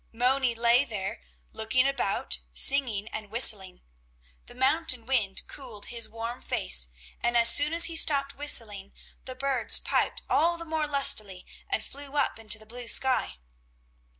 Moni lay there, looking about, singing and whistling. The mountain wind cooled his warm face, and as soon as he stopped whistling, the birds piped all the more lustily and flew up into the blue sky.